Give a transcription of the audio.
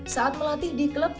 saat melatih di klub